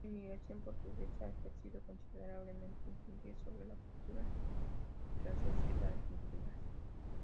La inmigración portuguesa ha ejercido considerable influencia sobre la cultura y la sociedad argentinas.